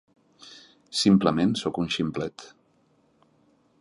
Simplement soc un ximplet.